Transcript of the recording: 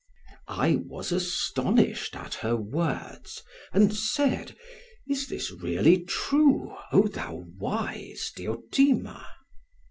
"I was astonished at her words and said: 'Is this really true, O thou wise Diotima?'